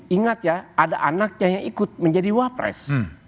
ingat ya ada anaknya yang ikut menjadi wapres